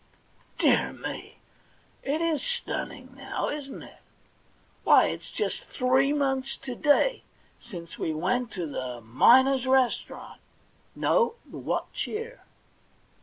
* Dear me, it is stunning, now, isn't it ? Why, it's just three months to day since we went to the Miners' restaurant '* No ; the What Cheer.'